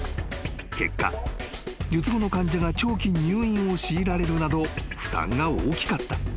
［結果術後の患者が長期入院を強いられるなど負担が大きかった］